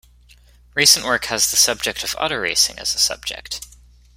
Recent work has the subject of auto racing as a subject.